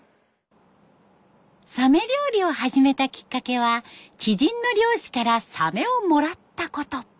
サメ料理を始めたきっかけは知人の漁師からサメをもらったこと。